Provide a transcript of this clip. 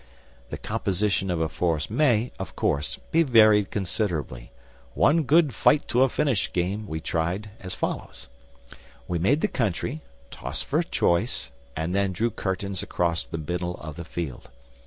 The composition of a force may, of course, be varied considerably. One good Fight to a Finish game we tried as follows: We made the Country, tossed for choice, and then drew curtains across the middle of the field.